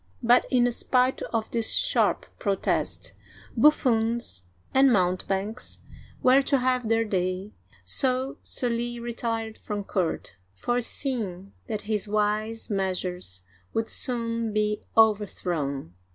" But, in spite of this sharp protest, buffoons and mountebanks were to have their day, so Sully retired from court, fore seeing that his wise measures would soon be overthrown.